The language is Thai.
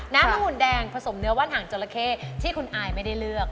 น้ำองุ่นแดงผสมเนื้อว่านหางจราเข้ที่คุณอายไม่ได้เลือก